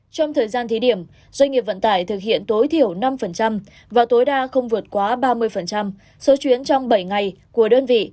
trong thời gian thí điểm doanh nghiệp vận tải thực hiện tối thiểu năm và tối đa không vượt quá ba mươi số chuyến trong bảy ngày của đơn vị